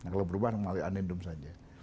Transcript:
kalau berubah melalui adendum saja